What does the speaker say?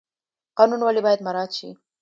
قانون ولې باید مراعات شي؟